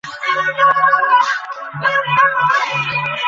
তার সমস্ত ভাঙিয়া-চুরিয়া গেছে, কেবল গুটিকতক ঘর বাকি।